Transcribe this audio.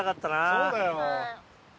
そうだよ。